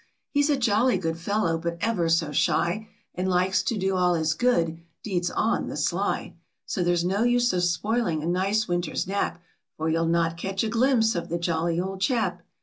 He's a jolly good fellow, but ever so shy, And likes to do all his good deeds on the sly, So there's no use of spoiling a nice winter's nap b or you'll not catch a glimpse of the jolly old chap.